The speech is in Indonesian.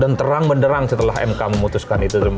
dan terang menderang setelah mk memutuskan itu